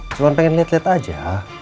cuma pengen liat liat aja